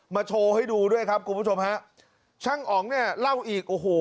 โชว์ให้ดูด้วยครับคุณผู้ชมฮะช่างอ๋องเนี่ยเล่าอีกโอ้โห